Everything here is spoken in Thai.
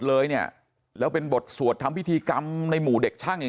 เลยเนี่ยแล้วเป็นบทสวดทำพิธีกรรมในหมู่เด็กช่างอย่าง